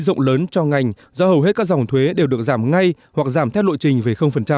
rộng lớn cho ngành do hầu hết các dòng thuế đều được giảm ngay hoặc giảm theo lộ trình về